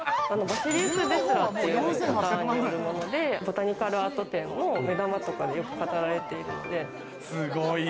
バシリウス・ベスラーっていう方によるもので、ボタニカルアート展の目玉とかで、よく飾られているので。